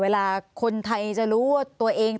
เวลาคนไทยจะรู้ว่าตัวเอง